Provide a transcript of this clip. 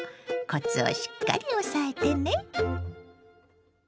コツをしっかり押さえてね。